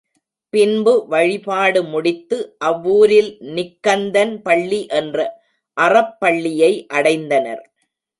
பின்பு வழிபாடு முடித்து அவ்ஊரில் நிக்கந்தன் பள்ளி என்ற அறப்பள்ளியை அடைந்தனர்.